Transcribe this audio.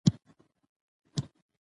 د زړونو پاکوالی د مینې لپاره ضروري دی.